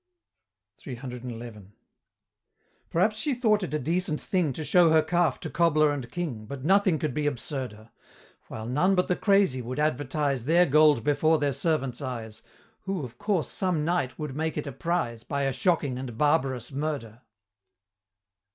CCCXI. P'raps she thought it a decent thing To show her calf to cobbler and king, But nothing could be absurder While none but the crazy would advertise Their gold before their servants' eyes, Who of course some night would make it a prize, By a Shocking and Barbarous Murder.